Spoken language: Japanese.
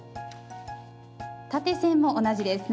縦線も同じです。